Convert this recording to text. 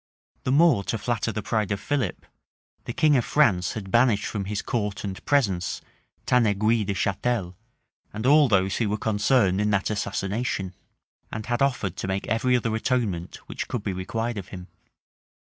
The more to flatter the pride of Philip, the king of France had banished from his court and presence Tanegui de Chatel, and all those who were concerned in that assassination; and had offered to make every other atonement which could be required of him.